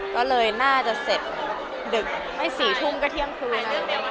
ก็เลยน่าจะเสร็จดึกไม่๔ทุ่มก็เที่ยงคืน